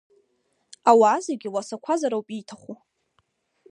Ауаа зегьы уасақәазар ауп ииҭаху…